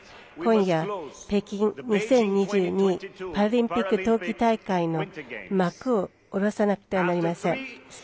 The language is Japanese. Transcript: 今夜、北京２０２２パラリンピック冬季大会の幕を下ろさなくてはなりません。